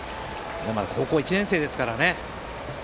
まだ高校１年生ですからね。